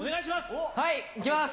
はい、いきます。